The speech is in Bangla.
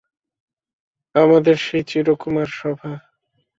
আমাদের সেই চিরকুমার-সভা।